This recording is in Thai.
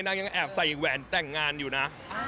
นางยังแอบใส่แหวนแต่งงานอยู่นะ